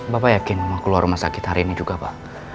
bapak yakin mau keluar rumah sakit hari ini juga pak